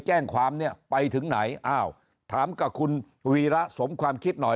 แจ้งความเนี่ยไปถึงไหนอ้าวถามกับคุณวีระสมความคิดหน่อย